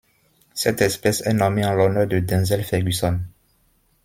Cette espèce est nommée en l'honneur de Denzel Ferguson.